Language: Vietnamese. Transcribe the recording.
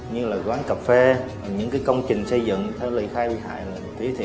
như là quán cà phê những công trình xây dựng theo lời khai bị hại